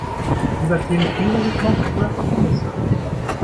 Lieber Tee mit Ingwer-Geschmack oder Pfefferminze?